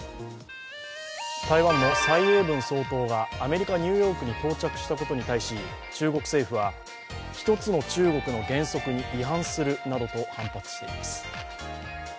台湾の蔡英文総統がアメリカ・ニューヨークに到着したことに対し、中国政府は一つの中国の原則に違反するなどと反発しています。